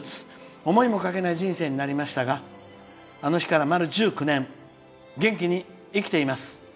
思いがけない人生になりましたがあの日から丸１９年元気に生きています。